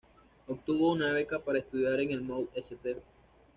Obtuvo una beca para estudiar en el Mount St.